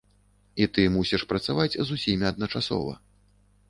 І ты мусіш працаваць з усімі адначасова.